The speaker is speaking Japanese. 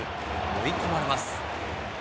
追い込まれます。